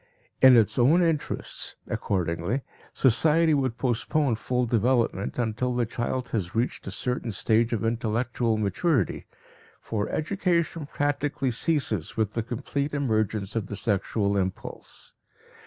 In its own interests, accordingly, society would postpone full development until the child has reached a certain stage of intellectual maturity, for education practically ceases with the complete emergence of the sexual impulse.